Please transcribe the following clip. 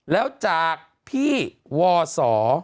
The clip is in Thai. แล้วจากพี่ว่าสอ